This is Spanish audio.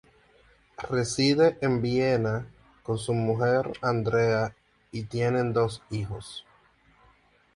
Reside en Viena con su mujer Andrea, y tienen dos hijos.